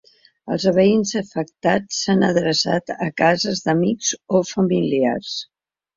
Els veïns afectats s’han adreçat a cases d’amics o familiars.